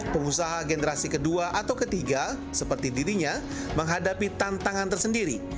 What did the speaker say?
pengusaha generasi kedua atau ketiga seperti dirinya menghadapi tantangan tersendiri